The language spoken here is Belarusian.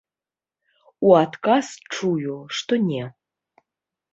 У адказ чую, што не.